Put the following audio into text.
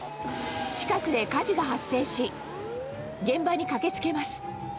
近くで火事が発生し、現場に駆けつけます。